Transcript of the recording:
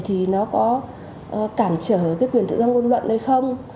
thì nó có cản trở cái quyền tự do ngôn luận hay không